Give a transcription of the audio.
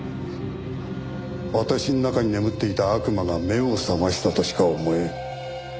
私の中に眠っていた悪魔が目を覚ましたとしか思えん。